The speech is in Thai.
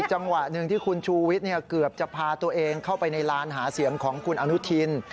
จังหวะหนึ่งที่คุณชูวิทย์เกือบจะพาตัวเองเข้าไปในลานหาเสียงของคุณอนุทิน